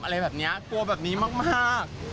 อะไรแบบนี้กลัวแบบนี้มาก